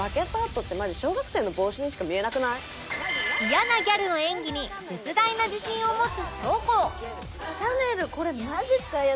嫌なギャルの演技に絶大な自信を持つ京子